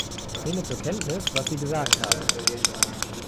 Ich nehme zur Kenntnis, was sie gesagt haben.